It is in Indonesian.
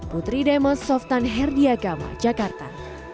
putri demas softan herdiagama jakarta